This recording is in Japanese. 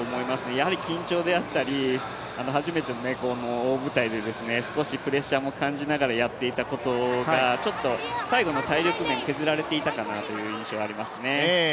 やはり緊張であったり、初めての大舞台で少しプレッシャーも感じながらやっていたことがちょっと最後の体力面、削られていたかなという印象がありますね。